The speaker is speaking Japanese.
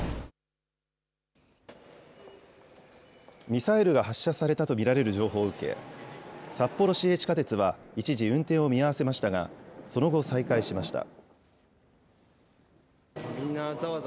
ミサイルが発射されたと見られるという情報を受け、札幌市営地下鉄は、一時、運転を見合わせましたが、その後、再開しました。